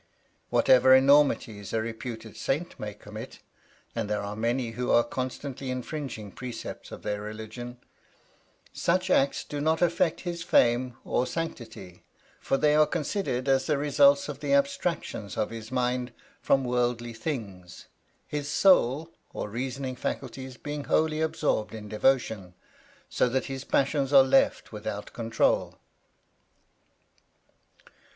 Whatever enormities a reputed saint may commit (and there are many who are constantly infringing precepts of their religion) such acts do not affect his fame for sanctity: for they are considered as the results of the abstraction of his mind from worldly things; his soul, or reasoning faculties, being wholly absorbed in devotion, so that his passions are left without control.